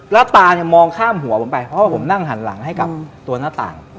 แล้วตาเนี่ยมองข้ามหัวผมไปเพราะว่าผมนั่งหันหลังให้กับตัวหน้าต่าง